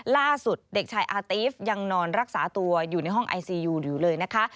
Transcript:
เด็กชายอาตีฟยังนอนรักษาตัวอยู่ในห้องไอซียูอยู่เลยนะคะ